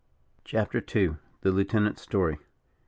CHAPTER II. THE LIEUTENANT'S STORY.